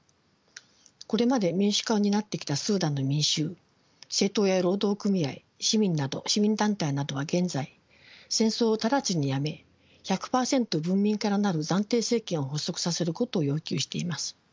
これまで民主化を担ってきたスーダンの民衆政党や労働組合市民団体などは現在戦争を直ちにやめ１００％文民から成る暫定政権を発足させることを要求しています。